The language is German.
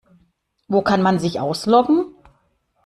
Wo kann man sich ausloggen?